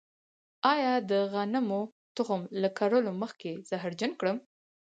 آیا د غنمو تخم له کرلو مخکې زهرجن کړم؟